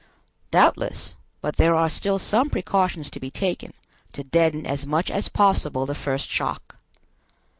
"Doubtless; but there are still some precautions to be taken, to deaden as much as possible the first shock."